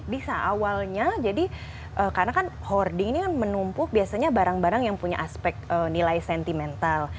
bisa awalnya jadi karena kan hoarding ini kan menumpuk biasanya barang barang yang punya aspek nilai sentimental